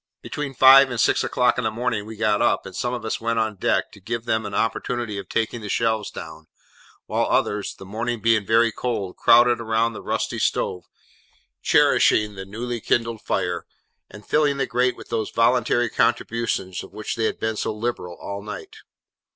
Between five and six o'clock in the morning we got up, and some of us went on deck, to give them an opportunity of taking the shelves down; while others, the morning being very cold, crowded round the rusty stove, cherishing the newly kindled fire, and filling the grate with those voluntary contributions of which they had been so liberal all night.